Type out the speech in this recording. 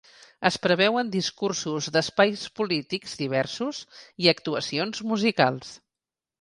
Es preveuen discursos d’espais polítics diversos i actuacions musicals.